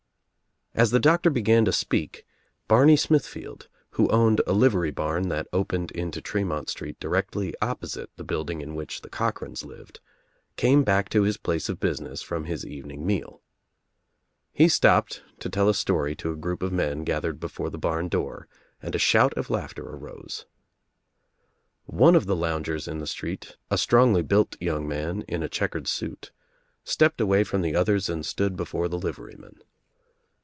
As the Doctor began to speak Barney Smithfield, who owned a livery barn that opened into Tremont Street directly opposite ithe building in which the Cochrans lived, came back to his place of business from his evening meal. He stopped to tell a story to a group of men gathered before the barn door and a shout of laughter arose. One of the loungers in the street, a strongly built young man in a checkered suit, stepped away from the others and stood before the liveryman.